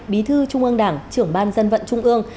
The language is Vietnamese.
bí thư trung ương đảng trưởng ban dân vận trung ương